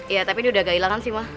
ya tapi ini udah gak hilang sih mak